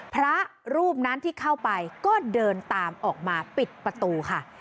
พระรูปนั้นที่เข้าไปก็เดินตามออกมาปิดประตูค่ะ